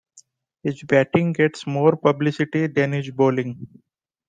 His batting gets more publicity than his bowling.